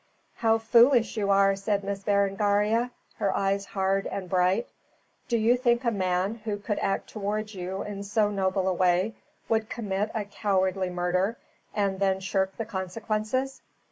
"How foolish you are," said Miss Berengaria, her eyes hard and bright. "Do you think a man, who could act towards you in so noble a way, would commit a cowardly murder, and then shirk the consequences?